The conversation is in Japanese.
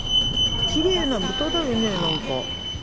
きれいな豚だよね何か。